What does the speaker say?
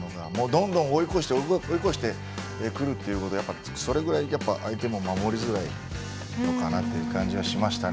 どんどん追い越してくるっていうことでそれくらい相手も守りづらいのかなという感じはしました。